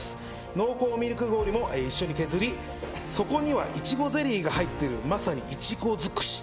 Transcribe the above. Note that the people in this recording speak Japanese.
濃厚ミルク氷も一緒に削り底にはいちごゼリーが入ってるまさにいちご尽くし。